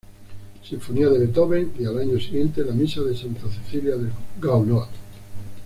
Sinfonía de Beethoven, y al año siguiente, La Misa de Santa Cecilia de Gounod.